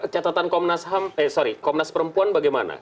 catatan komnas perempuan bagaimana